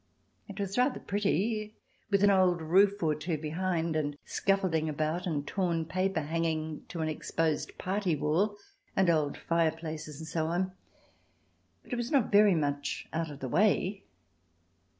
It was rather pretty, with an old roof or two behind and scaffolding about and torn paper hanging to an exposed party wall and old fireplaces and so on, but it was not very much out of the way.